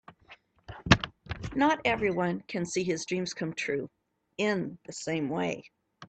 Not everyone can see his dreams come true in the same way.